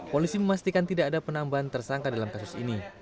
polisi memastikan tidak ada penambahan tersangka dalam kasus ini